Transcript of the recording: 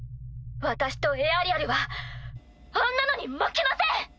私とエアリアルはあんなのに負けません！